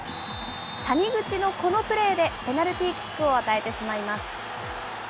谷口のこのプレーで、ペナルティーキックを与えてしまいます。